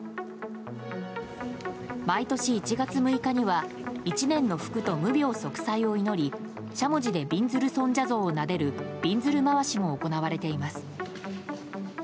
毎年１月６日には１年の福と無病息災を祈りしゃもじでびんずる尊者像をなでるびんずる廻しも行われています。